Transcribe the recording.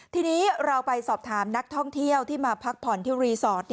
ทีนี้เราไปสอบถามนักท่องเที่ยวที่มาพักผ่อนที่รีสอร์ท